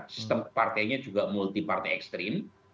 sistem partainya juga multi partai ekstrim